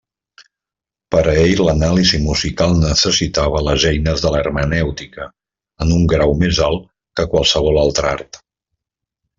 Per a ell l'anàlisi musical necessitava les eines de l'hermenèutica en un grau més alt que qualsevol altre art.